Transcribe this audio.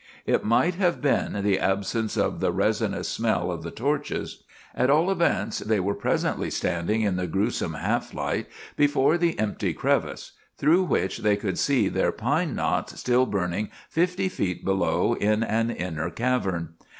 It might have been the absence of the resinous smell of the torches. At all events, they were presently standing in the gruesome half light before the empty crevice, through which they could see their pine knots still burning fifty feet below in an inner cavern.